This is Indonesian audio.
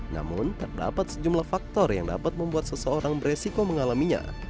namun terdapat sejumlah faktor yang dapat membuat seseorang beresiko mengalaminya